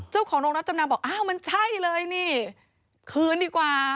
เจ้าของโรงรับจำนำบอกอ้าวมันใช่เลยนี่คืนดีกว่า